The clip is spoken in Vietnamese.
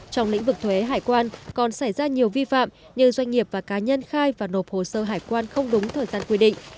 trong lĩnh vực thuế hải quan còn xảy ra nhiều vi phạm như doanh nghiệp và cá nhân khai và nộp hồ sơ hải quan không đúng thời gian quy định